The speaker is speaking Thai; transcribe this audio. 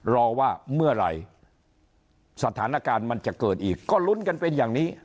รอว่าเมื่อไหร่สถานการณ์มันจะเกิดอีกก็ลุ้นกันเป็นอย่างนี้